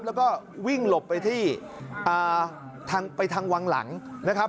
แล้วก็วิ่งหลบไปที่ไปทางวังหลังนะครับ